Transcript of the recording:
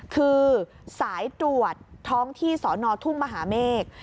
คือสายตรวจท้องที่สอนอทุ่งมหาเมฆ